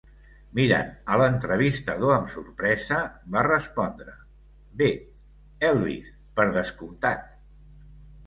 Mirant a l'entrevistador amb sorpresa, va respondre: bé, Elvis, per descomptat!